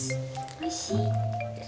おいしい？